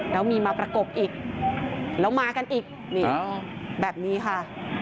แล้วมีมาประกบอีกแล้วมากันอีกนี่แบบนี้ค่ะ